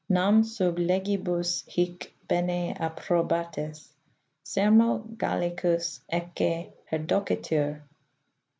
Nam sub legibus hie bene approbatis Sermo Gallicus ecce perdocetur.